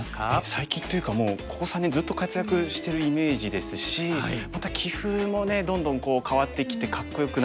最近というかもうここ３年ずっと活躍してるイメージですしまた棋風もねどんどん変わってきてかっこよくなって。